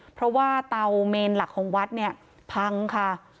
เพราะว่าเตาเมนหลักของวัดเนี่ยพังค่ะ